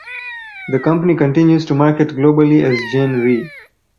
The company continues to market globally as Gen Re.